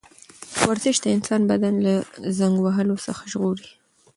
ورزش د انسان بدن له زنګ وهلو څخه ژغوري.